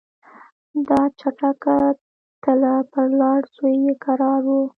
دا چټکه تله پر لار زوی یې کرار وو